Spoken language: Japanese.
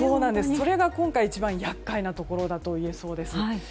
それが今回、一番厄介なところと言えそうです。